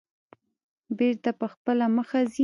بېرته په خپله مخه ځي.